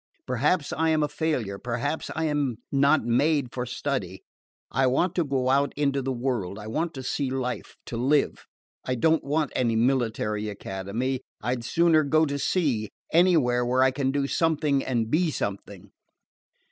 Perhaps I am a failure. Perhaps I am not made for study. I want to go out into the world. I want to see life to live. I don't want any military academy; I 'd sooner go to sea anywhere where I can do something and be something."